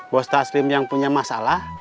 bos taslim yang punya masalah